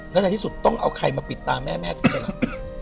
แล้วในที่สุดต้องเอาใครมาปิดตาแม่แม่จริงครับ